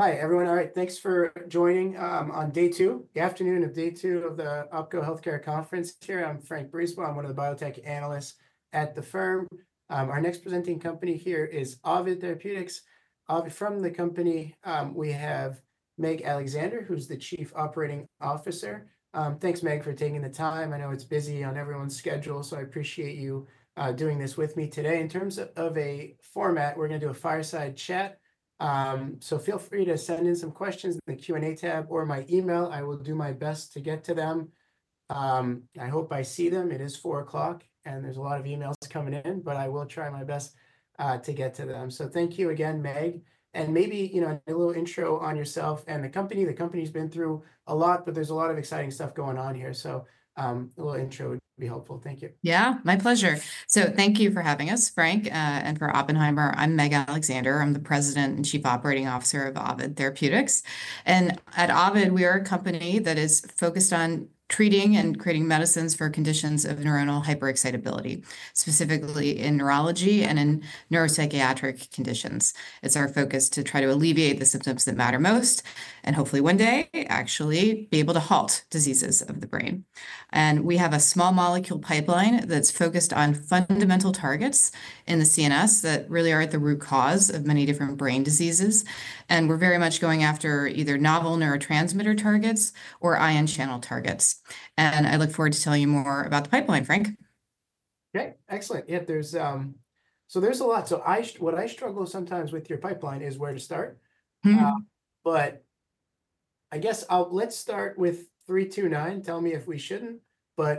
Hi, everyone. All right, thanks for joining. On day two, the afternoon of day two of the OpCo Healthcare Conference. Here I'm Frank Brisebois. I'm one of the biotech analysts at the firm. Our next presenting company here is Ovid Therapeutics. From the company, we have Meg Alexander, who's the Chief Operating Officer. Thanks, Meg, for taking the time. I know it's busy on everyone's schedule, so I appreciate you doing this with me today. In terms of a format, we're going to do a fireside chat. Feel free to send in some questions in the Q&A tab or my email. I will do my best to get to them. I hope I see them. It is 4:00 p.m., and there's a lot of emails coming in, but I will try my best to get to them. Thank you again, Meg. Maybe, you know, a little intro on yourself and the company. The company's been through a lot, but there's a lot of exciting stuff going on here. A little intro would be helpful. Thank you. Yeah, my pleasure. Thank you for having us, Frank, and for Oppenheimer. I'm Meg Alexander. I'm the President and Chief Operating Officer of Ovid Therapeutics. At Ovid, we are a company that is focused on treating and creating medicines for conditions of neuronal hyperexcitability, specifically in neurology and in neuropsychiatric conditions. It's our focus to try to alleviate the symptoms that matter most, and hopefully one day actually be able to halt diseases of the brain. We have a small molecule pipeline that's focused on fundamental targets in the CNS that really are at the root cause of many different brain diseases. We are very much going after either novel neurotransmitter targets or ion channel targets. I look forward to telling you more about the pipeline, Frank. Okay, excellent. There's a lot. What I struggle sometimes with your pipeline is where to start. I guess let's start with 329. Tell me if we shouldn't.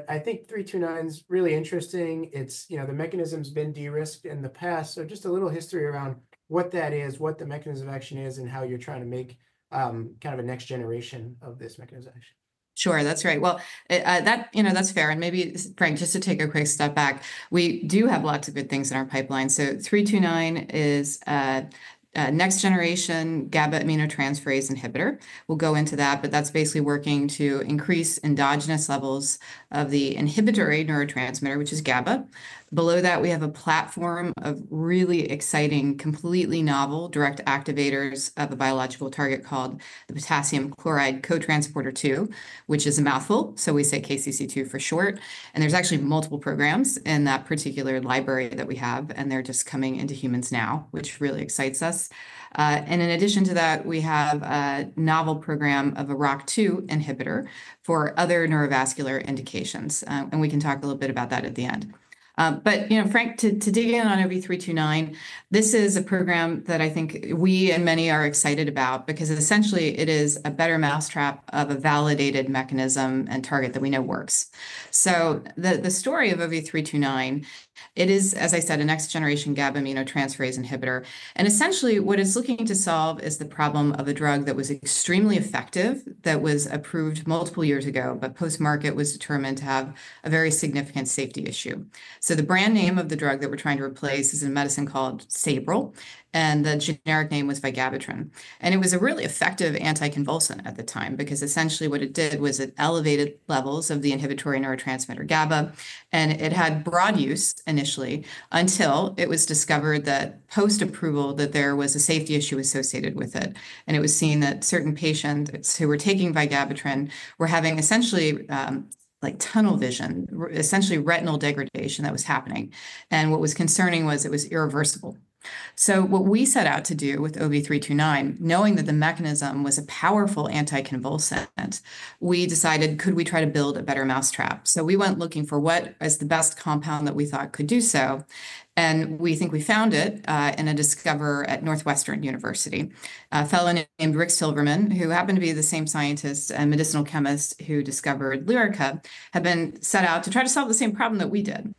I think 329 is really interesting. It's, you know, the mechanism's been de-risked in the past. Just a little history around what that is, what the mechanism of action is, and how you're trying to make kind of a next generation of this mechanism of action. Sure, that's right. That, you know, that's fair. Maybe, Frank, just to take a quick step back, we do have lots of good things in our pipeline. So 329 is a next generation GABA aminotransferase inhibitor. We'll go into that, but that's basically working to increase endogenous levels of the inhibitory neurotransmitter, which is GABA. Below that, we have a platform of really exciting, completely novel direct activators of a biological target called the potassium chloride cotransporter 2, which is a mouthful. We say KCC2 for short. There's actually multiple programs in that particular library that we have, and they're just coming into humans now, which really excites us. In addition to that, we have a novel program of a ROCK2 inhibitor for other neurovascular indications. We can talk a little bit about that at the end. You know, Frank, to dig in on OV-329, this is a program that I think we and many are excited about because essentially it is a better mousetrap of a validated mechanism and target that we know works. The story of OV-329, it is, as I said, a next-generation GABA aminotransferase inhibitor. Essentially what it's looking to solve is the problem of a drug that was extremely effective that was approved multiple years ago, but post-market was determined to have a very significant safety issue. The brand name of the drug that we're trying to replace is a medicine called Sabril, and the generic name was Vigabatrin. It was a really effective anticonvulsant at the time because essentially what it did was it elevated levels of the inhibitory neurotransmitter GABA, and it had broad use initially until it was discovered post-approval that there was a safety issue associated with it. It was seen that certain patients who were taking Vigabatrin were having essentially like tunnel vision, essentially retinal degradation that was happening. What was concerning was it was irreversible. What we set out to do with OV-329, knowing that the mechanism was a powerful anticonvulsant, we decided, could we try to build a better mousetrap? We went looking for what is the best compound that we thought could do so. We think we found it in a discoverer at Northwestern University. A fellow named Rick Silverman, who happened to be the same scientist and medicinal chemist who discovered Lyrica, had been set out to try to solve the same problem that we did.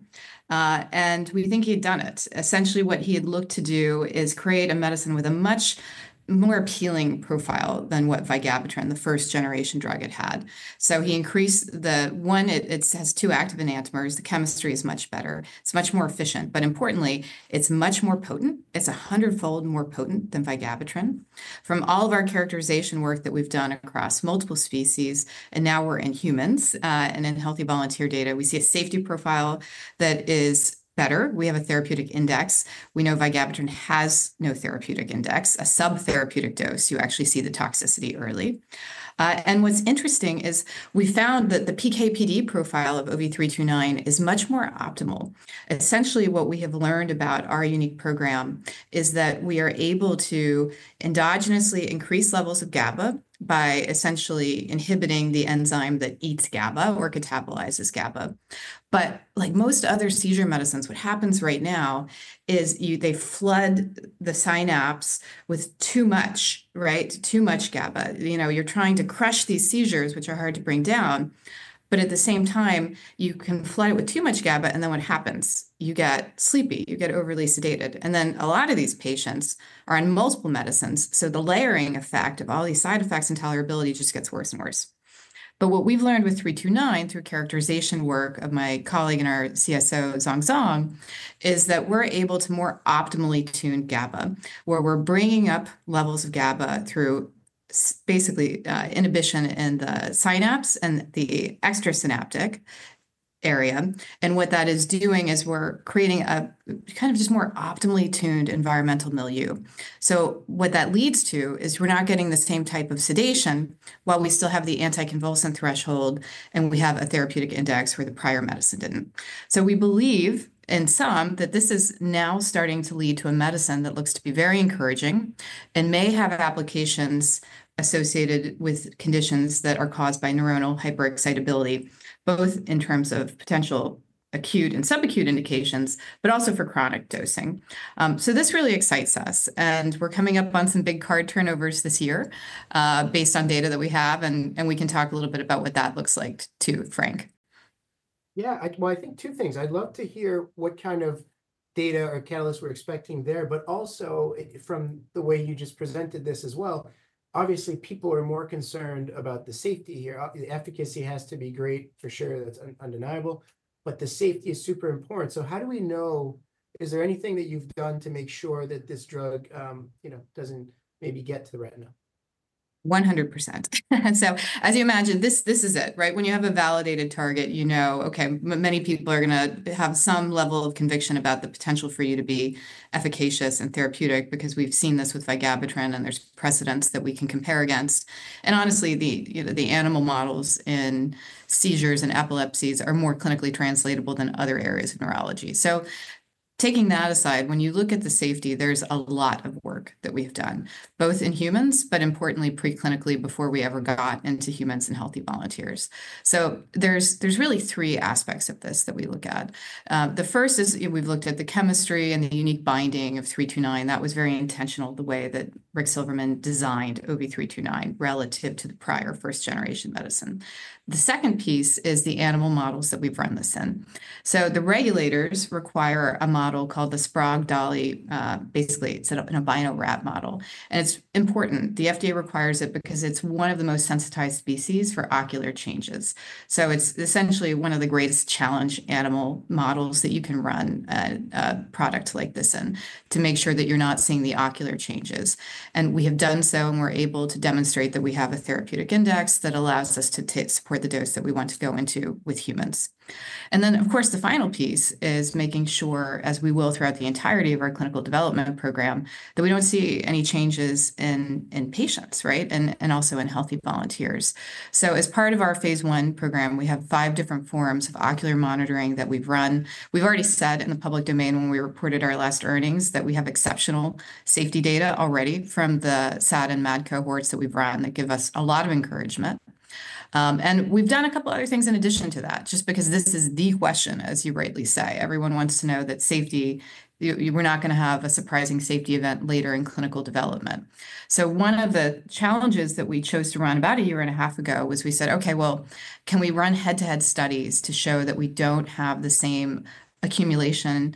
We think he'd done it. Essentially what he had looked to do is create a medicine with a much more appealing profile than what Vigabatrin, the first generation drug, had had. He increased the one, it has two active enantiomers. The chemistry is much better. It's much more efficient, but importantly, it's much more potent. It's a hundredfold more potent than Vigabatrin. From all of our characterization work that we've done across multiple species, and now we're in humans and in healthy volunteer data, we see a safety profile that is better. We have a therapeutic index. We know Vigabatrin has no therapeutic index, a sub-therapeutic dose. You actually see the toxicity early. What's interesting is we found that the PK/PD profile of OV-329 is much more optimal. Essentially what we have learned about our unique program is that we are able to endogenously increase levels of GABA by essentially inhibiting the enzyme that eats GABA or catabolizes GABA. Like most other seizure medicines, what happens right now is they flood the synapse with too much, right? Too much GABA. You know, you're trying to crush these seizures, which are hard to bring down, but at the same time, you can flood it with too much GABA, and then what happens? You get sleepy, you get overly sedated. A lot of these patients are on multiple medicines. The layering effect of all these side effects and tolerability just gets worse and worse. What we've learned with 329 through characterization work of my colleague and our CSO, Zhong-Zhong, is that we're able to more optimally tune GABA, where we're bringing up levels of GABA through basically inhibition in the synapse and the extrasynaptic area. What that is doing is we're creating a kind of just more optimally tuned environmental milieu. What that leads to is we're not getting the same type of sedation while we still have the anticonvulsant threshold and we have a therapeutic index where the prior medicine did not. We believe in sum that this is now starting to lead to a medicine that looks to be very encouraging and may have applications associated with conditions that are caused by neuronal hyperexcitability, both in terms of potential acute and subacute indications, but also for chronic dosing. This really excites us. We're coming up on some big card turnovers this year based on data that we have. We can talk a little bit about what that looks like too, Frank. Yeah, I think two things. I'd love to hear what kind of data or catalysts we're expecting there, but also from the way you just presented this as well. Obviously, people are more concerned about the safety here. The efficacy has to be great for sure. That's undeniable. The safety is super important. How do we know? Is there anything that you've done to make sure that this drug, you know, doesn't maybe get to the retina? 100%. As you imagine, this is it, right? When you have a validated target, you know, okay, many people are going to have some level of conviction about the potential for you to be efficacious and therapeutic because we've seen this with Vigabatrin and there are precedents that we can compare against. Honestly, the animal models in seizures and epilepsies are more clinically translatable than other areas of neurology. Taking that aside, when you look at the safety, there is a lot of work that we've done, both in humans, but importantly, pre-clinically before we ever got into humans and healthy volunteers. There are really three aspects of this that we look at. The first is we've looked at the chemistry and the unique binding of 329. That was very intentional the way that Rick Silverman designed OV-329 relative to the prior first-generation medicine. The second piece is the animal models that we've run this in. The regulators require a model called the Sprague-Dawley. Basically, it's set up in an albino rat model. It is important. The FDA requires it because it's one of the most sensitized species for ocular changes. It is essentially one of the greatest challenge animal models that you can run a product like this in to make sure that you're not seeing the ocular changes. We have done so and we're able to demonstrate that we have a therapeutic index that allows us to support the dose that we want to go into with humans. Of course, the final piece is making sure, as we will throughout the entirety of our clinical development program, that we do not see any changes in patients, right? Also in healthy volunteers. As part of our phase I program, we have five different forms of ocular monitoring that we have run. We have already said in the public domain when we reported our last earnings that we have exceptional safety data already from the SAD and MAD cohorts that we have run that give us a lot of encouragement. We have done a couple of other things in addition to that, just because this is the question, as you rightly say. Everyone wants to know that safety, we are not going to have a surprising safety event later in clinical development. One of the challenges that we chose to run about a year and a half ago was we said, okay, can we run head-to-head studies to show that we don't have the same accumulation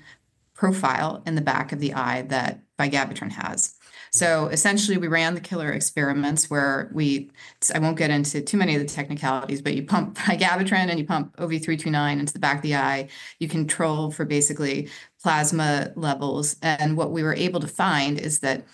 profile in the back of the eye that Vigabatrin has? Essentially, we ran the killer experiments where we, I won't get into too many of the technicalities, but you pump Vigabatrin and you pump OV-329 into the back of the eye. You control for basically plasma levels. What we were able to find is that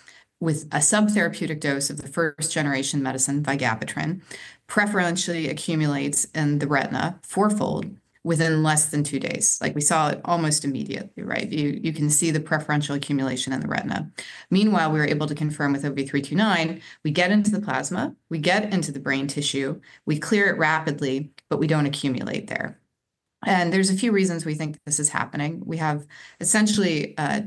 with a sub-therapeutic dose of the first-generation medicine, Vigabatrin preferentially accumulates in the retina fourfold within less than two days. Like, we saw it almost immediately, right? You can see the preferential accumulation in the retina. Meanwhile, we were able to confirm with OV-329, we get into the plasma, we get into the brain tissue, we clear it rapidly, but we do not accumulate there. There are a few reasons we think this is happening. We have essentially a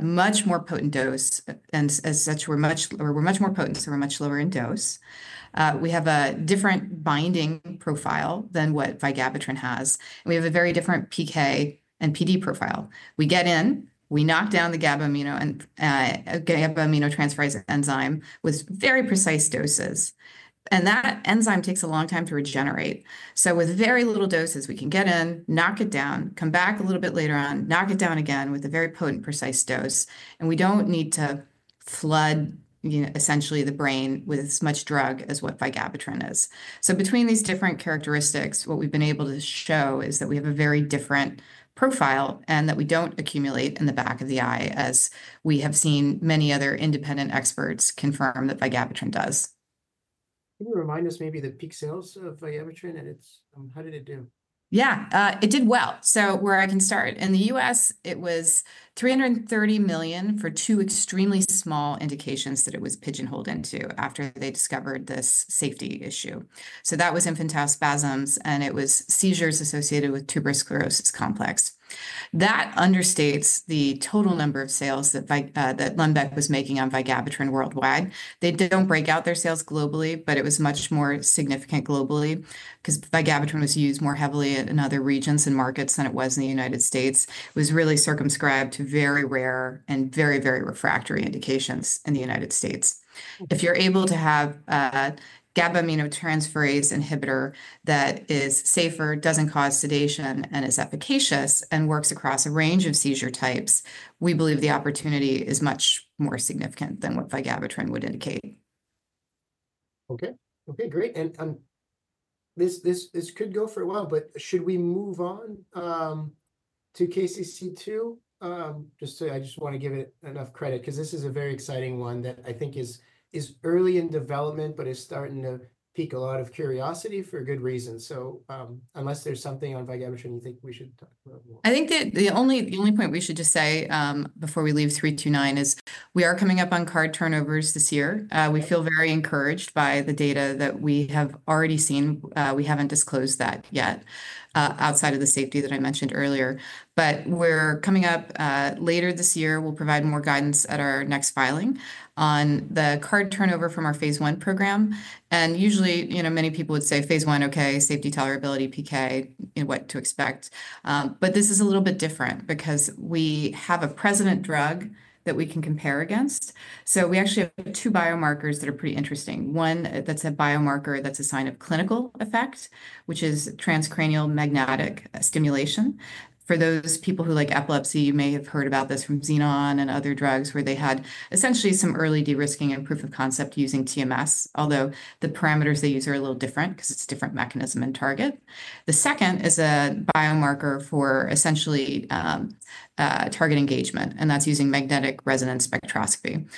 much more potent dose and as such, we are much more potent, so we are much lower in dose. We have a different binding profile than what Vigabatrin has. We have a very different PK and PD profile. We get in, we knock down the GABA amino and GABA aminotransferase enzyme with very precise doses. That enzyme takes a long time to regenerate. With very little doses, we can get in, knock it down, come back a little bit later on, knock it down again with a very potent, precise dose. We don't need to flood, you know, essentially the brain with as much drug as what Vigabatrin is. Between these different characteristics, what we've been able to show is that we have a very different profile and that we don't accumulate in the back of the eye as we have seen many other independent experts confirm that Vigabatrin does. Can you remind us maybe the peak sales of Vigabatrin and how did it do? Yeah, it did well. Where I can start, in the U.S., it was $330 million for two extremely small indications that it was pigeonholed into after they discovered this safety issue. That was infantile spasms and it was seizures associated with tuberous sclerosis complex. That understates the total number of sales that Lundbeck was making on Vigabatrin worldwide. They do not break out their sales globally, but it was much more significant globally because Vigabatrin was used more heavily in other regions and markets than it was in the United States. It was really circumscribed to very rare and very, very refractory indications in the United States. If you are able to have a GABA aminotransferase inhibitor that is safer, does not cause sedation, and is efficacious and works across a range of seizure types, we believe the opportunity is much more significant than what Vigabatrin would indicate. Okay, great. This could go for a while, but should we move on to KCC2? I just want to give it enough credit because this is a very exciting one that I think is early in development, but is starting to pique a lot of curiosity for good reason. Unless there's something on Vigabatrin you think we should talk about more? I think the only point we should just say before we leave 329 is we are coming up on card turnovers this year. We feel very encouraged by the data that we have already seen. We haven't disclosed that yet outside of the safety that I mentioned earlier. We are coming up later this year. We'll provide more guidance at our next filing on the card turnover from our phase I program. Usually, you know, many people would say phase I, okay, safety, tolerability, PK, what to expect. This is a little bit different because we have a precedent drug that we can compare against. We actually have two biomarkers that are pretty interesting. One that's a biomarker that's a sign of clinical effect, which is transcranial magnetic stimulation. For those people who like epilepsy, you may have heard about this from Xenon and other drugs where they had essentially some early de-risking and proof of concept using TMS, although the parameters they use are a little different because it's a different mechanism and target. The second is a biomarker for essentially target engagement, and that's using magnetic resonance spectroscopy.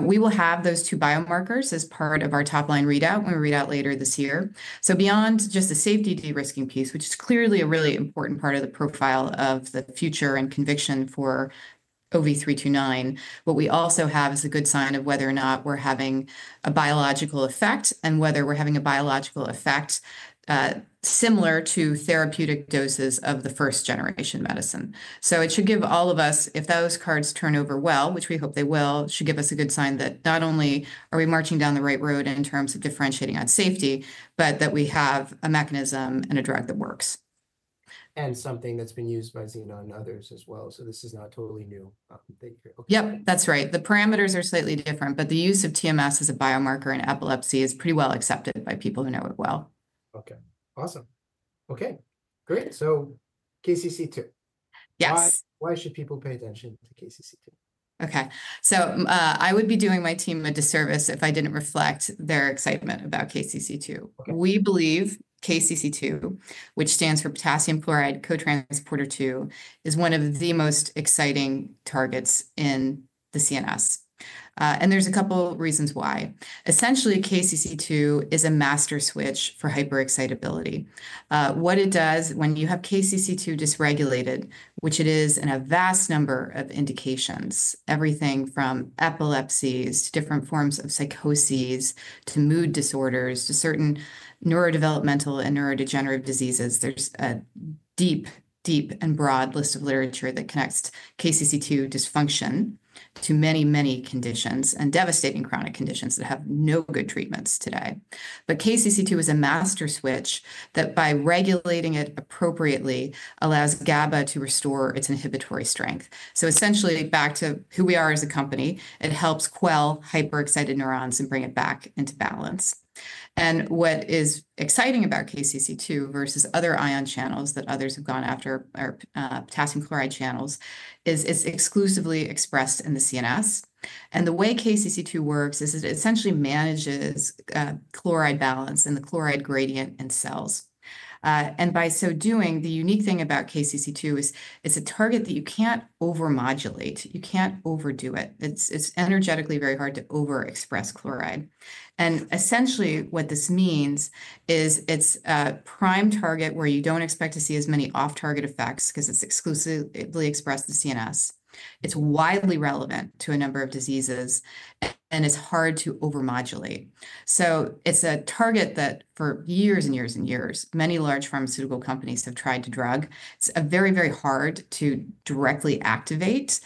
We will have those two biomarkers as part of our top line readout when we read out later this year. Beyond just the safety de-risking piece, which is clearly a really important part of the profile of the future and conviction for OV-329, what we also have is a good sign of whether or not we're having a biological effect and whether we're having a biological effect similar to therapeutic doses of the first generation medicine. It should give all of us, if those cards turn over well, which we hope they will, should give us a good sign that not only are we marching down the right road in terms of differentiating on safety, but that we have a mechanism and a drug that works. is something that's been used by Xenon and others as well. This is not totally new. Yep, that's right. The parameters are slightly different, but the use of TMS as a biomarker in epilepsy is pretty well accepted by people who know it well. Okay, awesome. Okay, great. KCC2. Yes. Why should people pay attention to KCC2? Okay, I would be doing my team a disservice if I didn't reflect their excitement about KCC2. We believe KCC2, which stands for potassium chloride cotransporter 2, is one of the most exciting targets in the CNS. There's a couple of reasons why. Essentially, KCC2 is a master switch for hyperexcitability. What it does when you have KCC2 dysregulated, which it is in a vast number of indications, everything from epilepsies to different forms of psychoses to mood disorders to certain neurodevelopmental and neurodegenerative diseases, there's a deep, deep and broad list of literature that connects KCC2 dysfunction to many, many conditions and devastating chronic conditions that have no good treatments today. KCC2 is a master switch that by regulating it appropriately allows GABA to restore its inhibitory strength. Essentially, back to who we are as a company, it helps quell hyperexcited neurons and bring it back into balance. What is exciting about KCC2 versus other ion channels that others have gone after are potassium chloride channels is it's exclusively expressed in the CNS. The way KCC2 works is it essentially manages chloride balance and the chloride gradient in cells. By so doing, the unique thing about KCC2 is it's a target that you can't over-modulate. You can't overdo it. It's energetically very hard to overexpress chloride. Essentially, what this means is it's a prime target where you don't expect to see as many off-target effects because it's exclusively expressed in the CNS. It's widely relevant to a number of diseases and it's hard to over-modulate. It is a target that for years and years and years, many large pharmaceutical companies have tried to drug. It is very, very hard to directly activate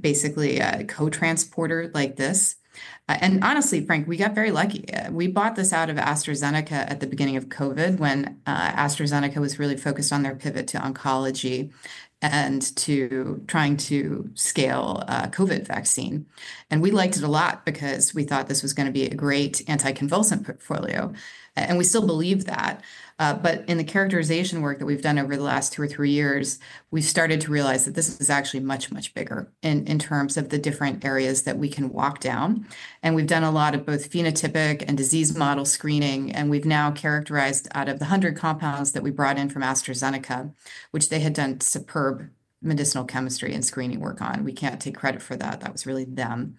basically a cotransporter like this. Honestly, Frank, we got very lucky. We bought this out of AstraZeneca at the beginning of COVID when AstraZeneca was really focused on their pivot to oncology and to trying to scale a COVID vaccine. We liked it a lot because we thought this was going to be a great anti-convulsant portfolio. We still believe that. In the characterization work that we have done over the last two or three years, we have started to realize that this is actually much, much bigger in terms of the different areas that we can walk down. We have done a lot of both phenotypic and disease model screening. We have now characterized out of the hundred compounds that we brought in from AstraZeneca, which they had done superb medicinal chemistry and screening work on. We cannot take credit for that. That was really them.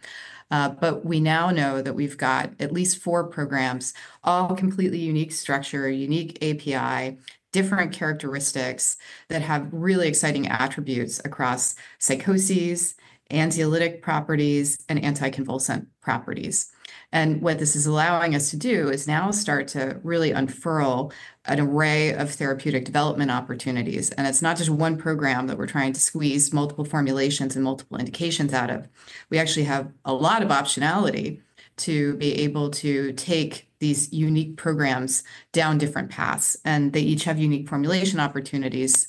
We now know that we have at least four programs, all completely unique structure, unique API, different characteristics that have really exciting attributes across psychoses, anxiolytic properties, and anti-convulsant properties. What this is allowing us to do is now start to really unfurl an array of therapeutic development opportunities. It is not just one program that we are trying to squeeze multiple formulations and multiple indications out of. We actually have a lot of optionality to be able to take these unique programs down different paths. They each have unique formulation opportunities.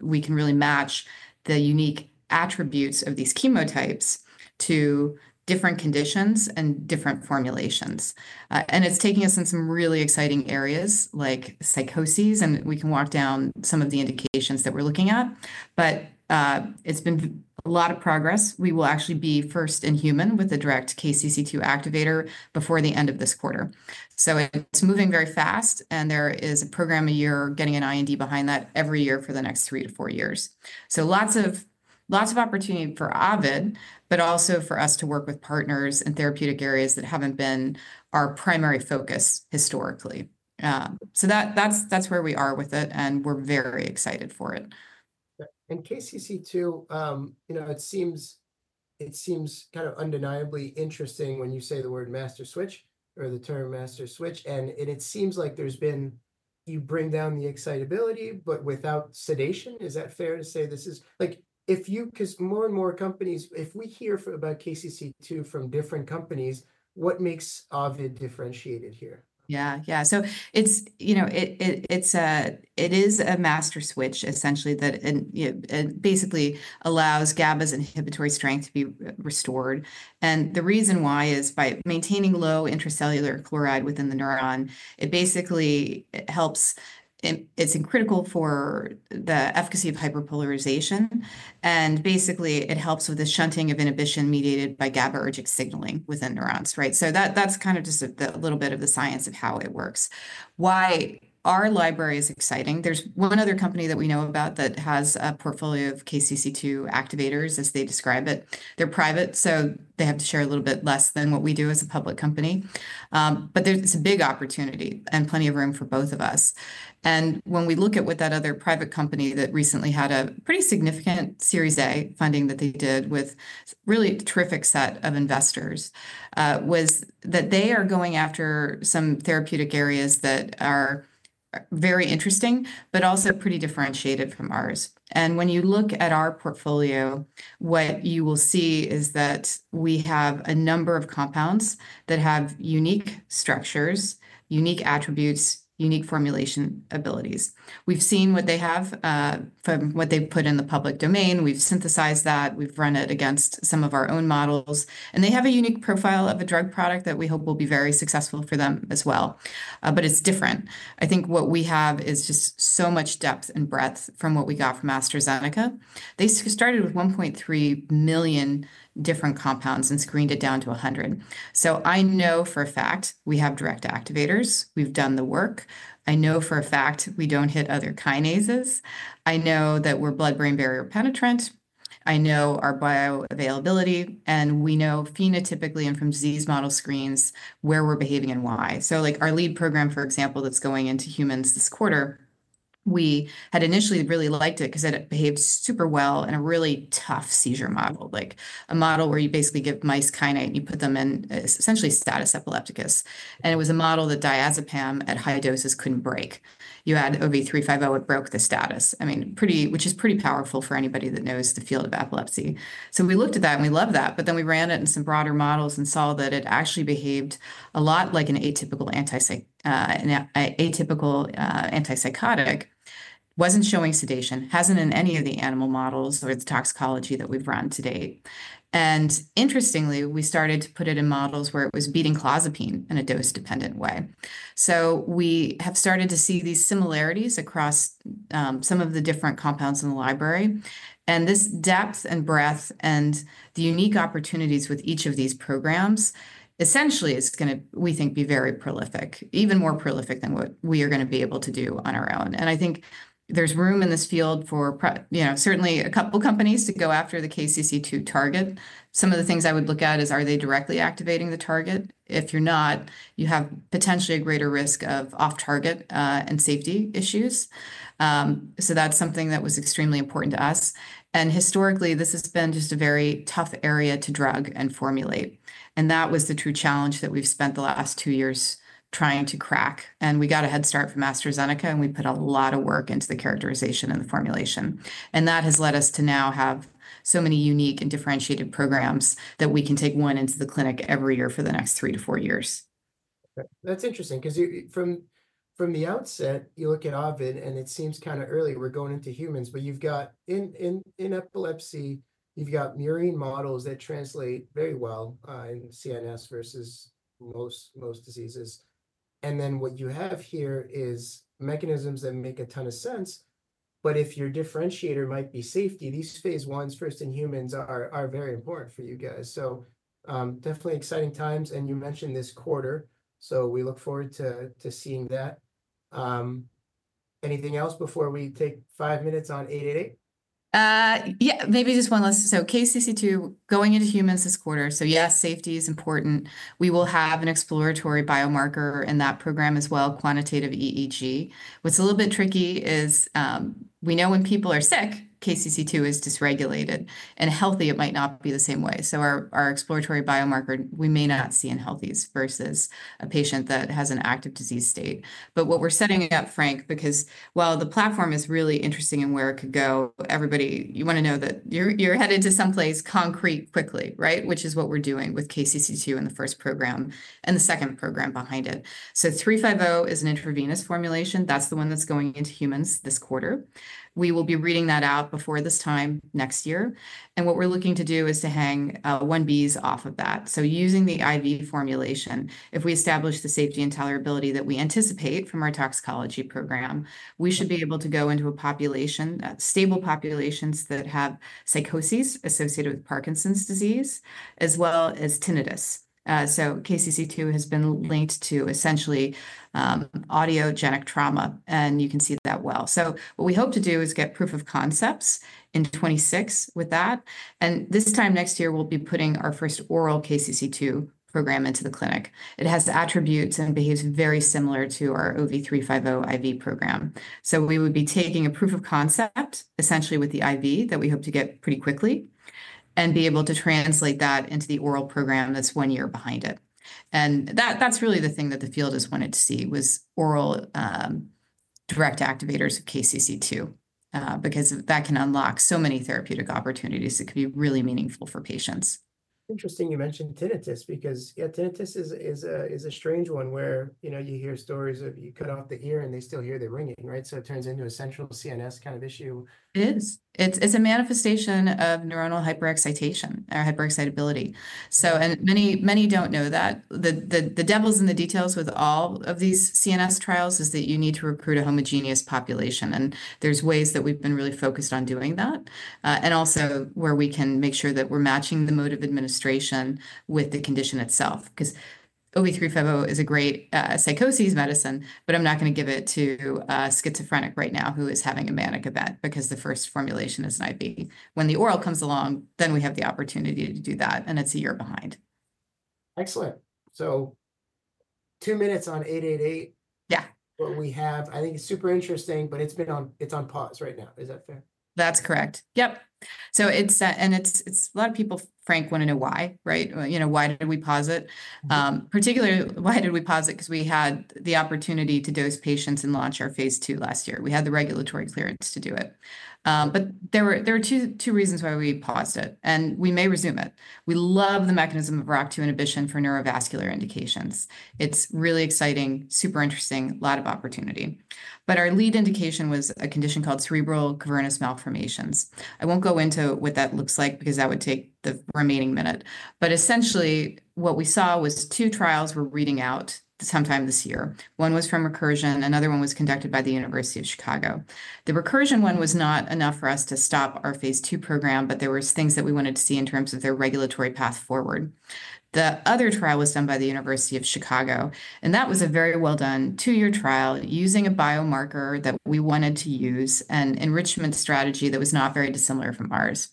We can really match the unique attributes of these chemotypes to different conditions and different formulations. It is taking us in some really exciting areas like psychoses. We can walk down some of the indications that we are looking at. It has been a lot of progress. We will actually be first in human with a direct KCC2 activator before the end of this quarter. It is moving very fast. There is a program a year getting an IND behind that every year for the next three to four years. There is lots of opportunity for Ovid, but also for us to work with partners in therapeutic areas that have not been our primary focus historically. That is where we are with it. We are very excited for it. KCC2, you know, it seems kind of undeniably interesting when you say the word master switch or the term master switch. It seems like there's been, you bring down the excitability, but without sedation. Is that fair to say this is like if you, because more and more companies, if we hear about KCC2 from different companies, what makes Ovid differentiated here? Yeah, yeah. It's, you know, it is a master switch essentially that basically allows GABA's inhibitory strength to be restored. The reason why is by maintaining low intracellular chloride within the neuron, it basically helps, it's critical for the efficacy of hyperpolarization. It helps with the shunting of inhibition mediated by GABAergic signaling within neurons, right? That's kind of just a little bit of the science of how it works. Why our library is exciting. There's one other company that we know about that has a portfolio of KCC2 activators as they describe it. They're private, so they have to share a little bit less than what we do as a public company. It's a big opportunity and plenty of room for both of us. When we look at what that other private company that recently had a pretty significant Series A funding that they did with really a terrific set of investors, they are going after some therapeutic areas that are very interesting, but also pretty differentiated from ours. When you look at our portfolio, what you will see is that we have a number of compounds that have unique structures, unique attributes, unique formulation abilities. We've seen what they have from what they've put in the public domain. We've synthesized that. We've run it against some of our own models. They have a unique profile of a drug product that we hope will be very successful for them as well. It is different. I think what we have is just so much depth and breadth from what we got from AstraZeneca. They started with 1.3 million different compounds and screened it down to 100. I know for a fact we have direct activators. We've done the work. I know for a fact we don't hit other kinases. I know that we're blood-brain barrier penetrant. I know our bioavailability and we know phenotypically and from disease model screens where we're behaving and why. Like our lead program, for example, that's going into humans this quarter, we had initially really liked it because it behaved super well in a really tough seizure model, like a model where you basically give mice kainate and you put them in essentially status epilepticus. It was a model that diazepam at high doses couldn't break. You add OV-350, it broke the status. I mean, which is pretty powerful for anybody that knows the field of epilepsy. We looked at that and we loved that, but then we ran it in some broader models and saw that it actually behaved a lot like an atypical antipsychotic. Wasn't showing sedation, hasn't in any of the animal models or the toxicology that we've run to date. Interestingly, we started to put it in models where it was beating clozapine in a dose-dependent way. We have started to see these similarities across some of the different compounds in the library. This depth and breadth and the unique opportunities with each of these programs essentially is going to, we think, be very prolific, even more prolific than what we are going to be able to do on our own. I think there's room in this field for, you know, certainly a couple of companies to go after the KCC2 target. Some of the things I would look at is, are they directly activating the target? If you're not, you have potentially a greater risk of off-target and safety issues. That was something that was extremely important to us. Historically, this has been just a very tough area to drug and formulate. That was the true challenge that we've spent the last two years trying to crack. We got a head start from AstraZeneca and we put a lot of work into the characterization and the formulation. That has led us to now have so many unique and differentiated programs that we can take one into the clinic every year for the next three to four years. That's interesting because from the outset, you look at Ovid and it seems kind of early, we're going into humans, but you've got in epilepsy, you've got murine models that translate very well in CNS versus most diseases. What you have here is mechanisms that make a ton of sense. If your differentiator might be safety, these phase 1's first in humans are very important for you guys. Definitely exciting times. You mentioned this quarter, so we look forward to seeing that. Anything else before we take five minutes on 888? Yeah, maybe just one last. KCC2 going into humans this quarter. Yes, safety is important. We will have an exploratory biomarker in that program as well, quantitative EEG. What's a little bit tricky is we know when people are sick, KCC2 is dysregulated. In healthy, it might not be the same way. Our exploratory biomarker, we may not see in healthies versus a patient that has an active disease state. What we're setting up, Frank, because while the platform is really interesting and where it could go, everybody, you want to know that you're headed to someplace concrete quickly, right? Which is what we're doing with KCC2 in the first program and the second program behind it. 350 is an intravenous formulation. That's the one that's going into humans this quarter. We will be reading that out before this time next year. What we're looking to do is to hang 1Bs off of that. Using the IV formulation, if we establish the safety and tolerability that we anticipate from our toxicology program, we should be able to go into stable populations that have psychoses associated with Parkinson's disease, as well as tinnitus. KCC2 has been linked to essentially audiogenic trauma. You can see that well. What we hope to do is get proof of concepts in 2026 with that. This time next year, we'll be putting our first oral KCC2 program into the clinic. It has attributes and behaves very similar to our OV-350, IV program. We would be taking a proof of concept essentially with the IV that we hope to get pretty quickly and be able to translate that into the oral program that's one year behind it. That's really the thing that the field has wanted to see was oral direct activators of KCC2 because that can unlock so many therapeutic opportunities. It could be really meaningful for patients. Interesting you mentioned tinnitus because tinnitus is a strange one where you hear stories of you cut off the ear and they still hear the ringing, right? It turns into a central CNS kind of issue. It is. It's a manifestation of neuronal hyperexcitability. Many don't know that. The devil's in the details with all of these CNS trials is that you need to recruit a homogeneous population. There are ways that we've been really focused on doing that. Also, we can make sure that we're matching the mode of administration with the condition itself because OV-350 is a great psychoses medicine, but I'm not going to give it to a schizophrenic right now who is having a manic event because the first formulation is an IV. When the oral comes along, then we have the opportunity to do that and it's a year behind. Excellent. Two minutes on 888. Yeah. We have, I think it's super interesting, but it's on pause right now. Is that fair? That's correct. Yep. It's, and it's a lot of people, Frank, want to know why, right? You know, why did we pause it? Particularly, why did we pause it? Because we had the opportunity to dose patients and launch our phase two last year. We had the regulatory clearance to do it. There were two reasons why we paused it. We may resume it. We love the mechanism of ROCK2 inhibition for neurovascular indications. It's really exciting, super interesting, a lot of opportunity. Our lead indication was a condition called cerebral cavernous malformations. I won't go into what that looks like because that would take the remaining minute. Essentially, what we saw was two trials we're reading out sometime this year. One was from Recursion. Another one was conducted by the University of Chicago. The Recursion one was not enough for us to stop our phase two program, but there were things that we wanted to see in terms of their regulatory path forward. The other trial was done by the University of Chicago. That was a very well-done two-year trial using a biomarker that we wanted to use and enrichment strategy that was not very dissimilar from ours.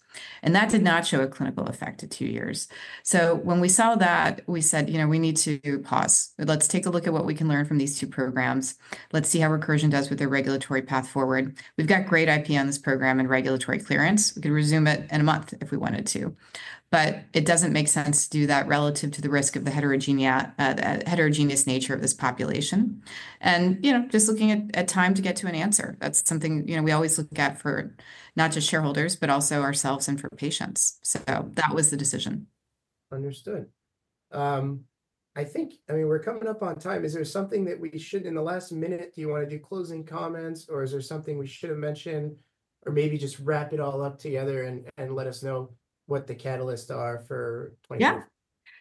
That did not show a clinical effect at two years. When we saw that, we said, you know, we need to pause. Let's take a look at what we can learn from these two programs. Let's see how Recursion does with their regulatory path forward. We've got great IP on this program and regulatory clearance. We could resume it in a month if we wanted to. It doesn't make sense to do that relative to the risk of the heterogeneous nature of this population. You know, just looking at time to get to an answer, that's something, you know, we always look at for not just shareholders, but also ourselves and for patients. That was the decision. Understood. I think, I mean, we're coming up on time. Is there something that we should, in the last minute, do you want to do closing comments or is there something we should have mentioned or maybe just wrap it all up together and let us know what the catalysts are for 2024? Yeah.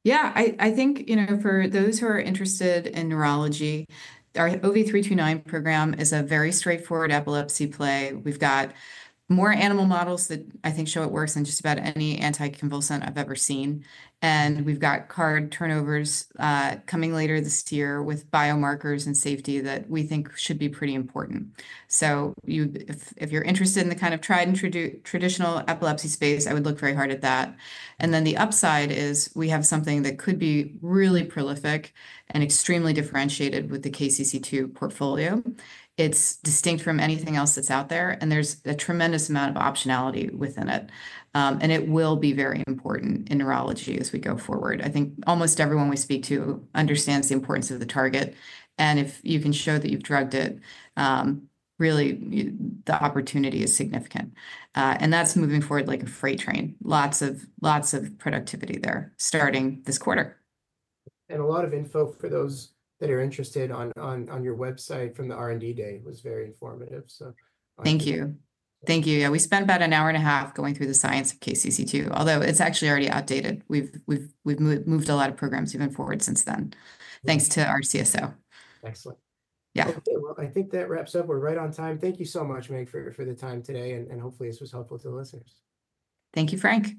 Yeah. I think, you know, for those who are interested in neurology, our OV-329 program is a very straightforward epilepsy play. We've got more animal models that I think show it works than just about any anticonvulsant I've ever seen. We've got card turnovers coming later this year with biomarkers and safety that we think should be pretty important. If you're interested in the kind of tried and traditional epilepsy space, I would look very hard at that. The upside is we have something that could be really prolific and extremely differentiated with the KCC2 portfolio. It's distinct from anything else that's out there. There's a tremendous amount of optionality within it. It will be very important in neurology as we go forward. I think almost everyone we speak to understands the importance of the target. If you can show that you've drugged it, really the opportunity is significant. That's moving forward like a freight train. Lots of productivity there starting this quarter. A lot of info for those that are interested on your website from the R&D Day was very informative. Thank you. Thank you. Yeah. We spent about an hour and a half going through the science of KCC2, although it's actually already outdated. We've moved a lot of programs even forward since then. Thanks to our CSO. Excellent. Yeah. I think that wraps up. We're right on time. Thank you so much, Meg, for the time today. Hopefully this was helpful to the listeners. Thank you, Frank.